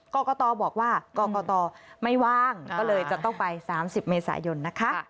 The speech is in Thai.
กรกตบอกว่ากรกตไม่ว่างก็เลยจะต้องไป๓๐เมษายนนะคะ